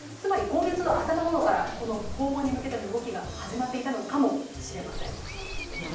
今月の頭ごろから訪問に向けての動きが始まっていたのかもしれません。